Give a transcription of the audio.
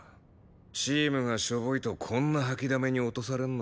チームがショボいとこんな掃きだめに落とされんのか。